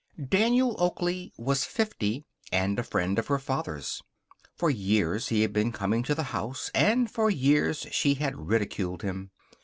Daniel Oakley was fifty, and a friend of her father's. For years he had been coming to the house and for years she had ridiculed him.